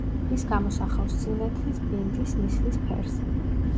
ის გამოსახავს სინათლის, ბინდის, ნისლის ფერს.